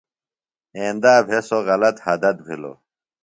ایندا بھےۡ سوۡ غلط حدت بِھلوۡ۔